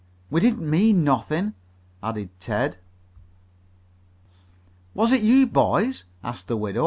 "We didn't mean nothin'," added Ted. "Was it you boys?" asked the widow.